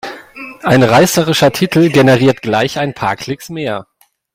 Ein reißerischer Titel generiert gleich ein paar Klicks mehr.